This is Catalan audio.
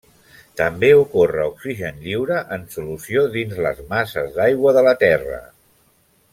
També ocorre oxigen lliure en solució dins les masses d'aigua de la Terra.